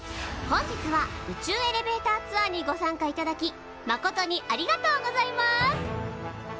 本日は宇宙エレベーターツアーにご参加いただきまことにありがとうございます！